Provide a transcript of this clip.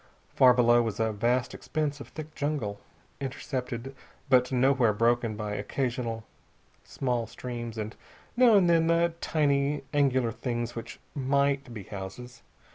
Far below was a vast expanse of thick jungle, intercepted but nowhere broken by occasional small streams and now and then the tiny, angular things which might be houses.